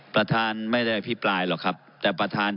ประธานไม่ได้อภิปรายหรอกครับแต่ประธาน